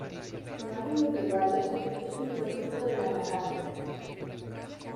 En algunos lugares es un producto de la matanza.